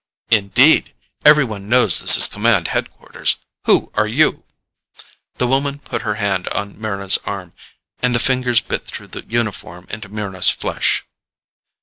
"Indeed! Everyone knows this is command headquarters. Who are you?" The woman put her hand on Mryna's arm, and the fingers bit through the uniform into Mryna's flesh.